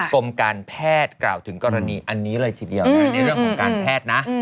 กรมการแพทย์กล่าวถึงกรณีอันนี้เลยทีเดียวนะในเรื่องของการแพทย์นะ